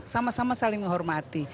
sama sama saling menghormati